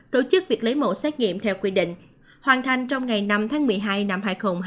tổ chức việc lấy mẫu xét nghiệm theo quy định hoàn thành trong ngày năm tháng một mươi hai năm hai nghìn hai mươi